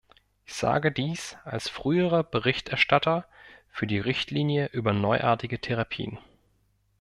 Ich sage dies als früherer Berichterstatter für die Richtlinie über neuartige Therapien.